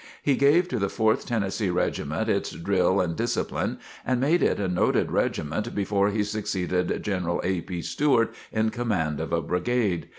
He gave to the Fourth Tennessee Regiment its drill and discipline and made it a noted regiment before he succeeded General A. P. Stewart in command of a brigade.